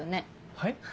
はい？